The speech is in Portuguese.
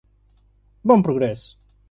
Bom Progresso